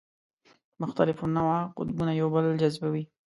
مختلف النوع قطبونه یو بل جذبوي.